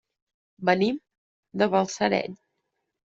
Venim de Balsareny.